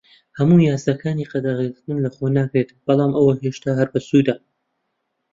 هەموو یاساکانی قەدەغەکردن لەخۆ ناگرێت، بەڵام ئەوە هێشتا هەر بەسوودە.